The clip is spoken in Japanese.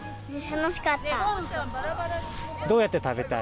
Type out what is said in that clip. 楽しかった。